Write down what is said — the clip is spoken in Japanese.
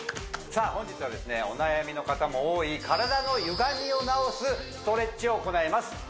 さあ本日はですねお悩みの方も多い体のゆがみを直すストレッチを行います